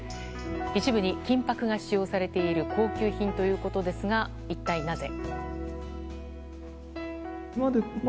一部に金箔が使用されている高級品ということですが一体なぜ？